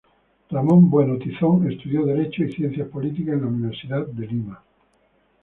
Ramón Bueno Tizón estudió Derecho y Ciencias Políticas en la Universidad de Lima.